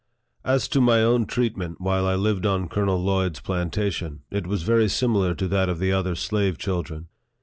As to my own treatment while I lived on Colonel Lloyd's plantation, it was very similar to that of the other slave children.